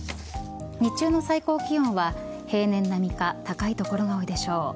日中の最高気温は平年並みか高い所が多いでしょう。